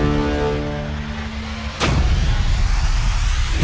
aku akan menangkapmu